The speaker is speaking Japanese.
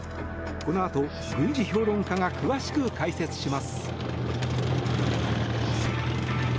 このあと軍事評論家が詳しく解説します。